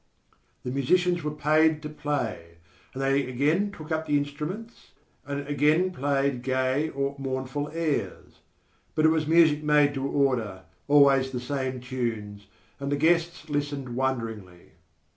The musicians were paid to play, and they again took up the instruments, and again played gay or mournful airs. But it was music made to order, always the same tunes, and the guests listened wonderingly.